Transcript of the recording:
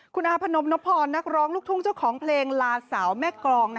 คุณอาพนมนพรนักร้องลูกทุ่งเจ้าของเพลงลาสาวแม่กรอง